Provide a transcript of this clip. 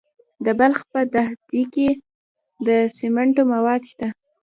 د بلخ په دهدادي کې د سمنټو مواد شته.